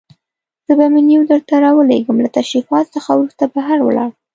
زه به منیو درته راولېږم، له تشریفاتو څخه وروسته بهر ولاړ.